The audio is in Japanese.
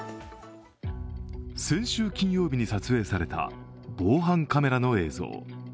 先週金曜日に撮影された防犯カメラの映像。